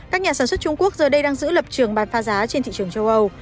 các nhà sản xuất trung quốc giờ đây đang giữ lập trường bán pha giá trên thị trường châu âu